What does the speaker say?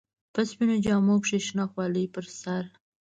په سپينو جامو کښې شنه خولۍ پر سر.